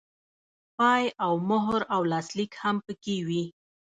پای او مهر او لاسلیک هم پکې وي.